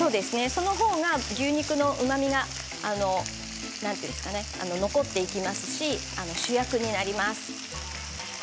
その方が牛肉のうまみが残っていきますし主役になります。